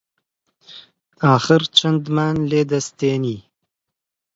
ئاخر چەندمان لێ دەستێنی؟